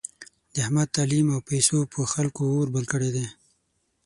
د احمد تعلیم او پیسو په خلکو اور بل کړی دی.